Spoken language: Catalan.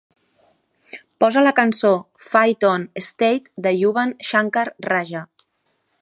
Posa la cançó Fight On, State de Yuvan Shankar Raja.